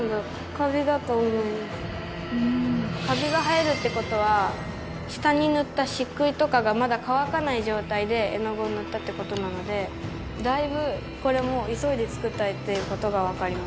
カビが生えるって事は下に塗ったしっくいとかがまだ乾かない状態で絵の具を塗ったって事なのでだいぶこれも急いで作った絵っていう事がわかります。